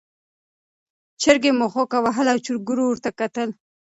چرګې مښوکه وهله او چرګوړو ورته کتل.